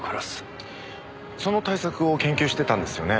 その対策を研究してたんですよね